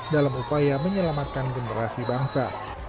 dalam upaya menyelamatkan generasi bangsa